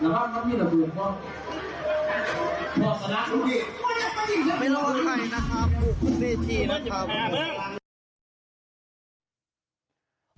รอให้เรียบร้อย